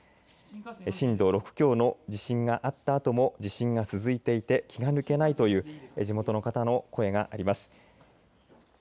震度６強の地震があったあとも地震が続いていて気が抜けないと地元の方の声があります。